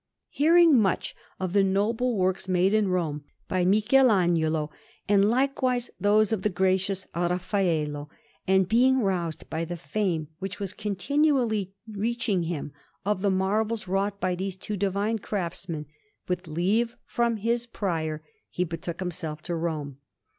Hearing much of the noble works made in Rome by Michelagnolo, and likewise those of the gracious Raffaello, and being roused by the fame, which was continually reaching him, of the marvels wrought by those two divine craftsmen, with leave from his Prior he betook himself to Rome.